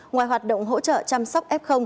ngoài hoạt động hỗ trợ chăm sóc f